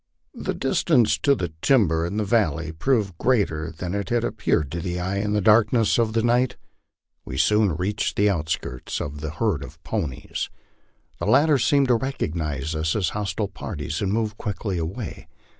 The distance to the timber in the val ley proved greater than it had appeared to the eye in the darkness of the night. We soon reached the outskirts of the herd of ponies. The latter seemed to recognize us as hostile parties and moved quickly away.